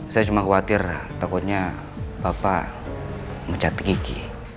saya cuma khawatir takutnya bapak mencet kiki